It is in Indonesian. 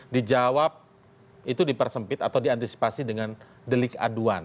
dijawab itu dipersempit atau diantisipasi dengan delik aduan